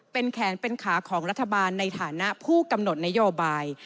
เป็นแขนเป็นขาของรัฐบาลในฐานะผู้กำหนดนโยบาย